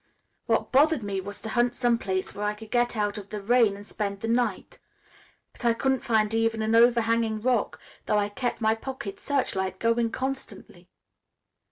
What bothered me was to hunt some place where I could get out of the rain and spend the night. But I couldn't find even an overhanging rock, though I kept my pocket searchlight going constantly.